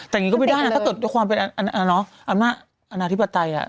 แต่ก็ไม่ได้ถ้าเกิดความเป็นนาธิบิไต